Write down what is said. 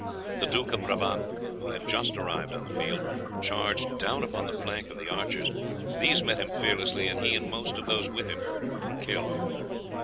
The Duke de Brabant, who had just arrived on the field, charged down upon the flank of the archers. These met him fearlessly, and he and most of those with him were killed.